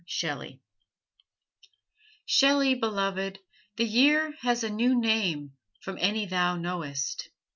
SHELLEY Shelley, beloved! the year has a new name from any thou knowest.